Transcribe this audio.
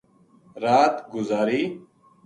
رات گزار ی